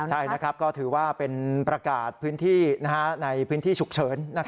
ใช่นะครับก็ถือว่าเป็นประกาศพื้นที่ในพื้นที่ฉุกเฉิน